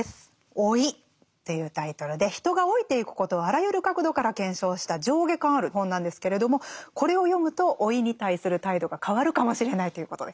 「老い」というタイトルで人が老いていくことをあらゆる角度から検証した上下巻ある本なんですけれどもこれを読むと老いに対する態度が変わるかもしれないということで。